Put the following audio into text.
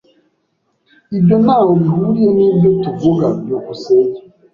Ibyo ntaho bihuriye nibyo tuvuga. byukusenge